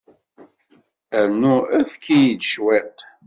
Rnu efk-iyi-d cwiṭ.